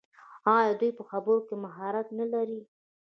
آیا دوی په خبرو کې مهارت نلري؟